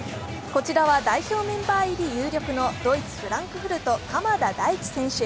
こちらは代表メンバー入り有力なドイツ・フランクフルト、鎌田大地選手。